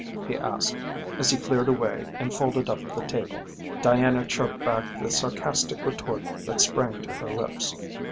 he asked, as he cleared away and folded up the table. Diana choked back the sarcastic retort that sprang to her lips.